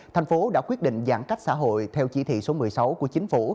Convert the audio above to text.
thành phố đã quyết định giãn cách xã hội theo chỉ thị số một mươi sáu của chính phủ